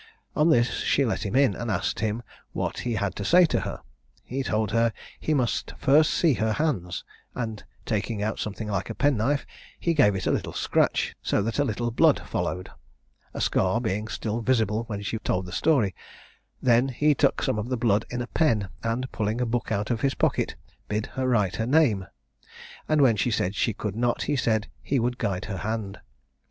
On this, she let him in, and asked him what he had to say to her? He told her he must first see her hands; and taking out something like a penknife, he gave it a little scratch, so that a little blood followed, a scar being still visible when she told the story; then he took some of the blood in a pen, and pulling a book out of his pocket, bid her write her name; and when she said she could not, he said he would guide her hand.